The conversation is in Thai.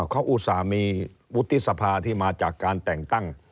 เขาอุตส่าห์มีวุฒิสภาที่มาจากการแต่งตั้ง